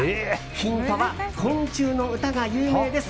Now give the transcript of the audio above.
ヒントは昆虫の歌が有名です。